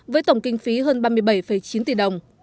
với tổng kinh phí hơn ba mươi bảy chín tỷ đồng